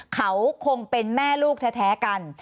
เขาคงเป็นแม่ลูกแท้กัน